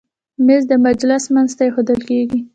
مېز د مجلس منځ ته ایښودل کېږي.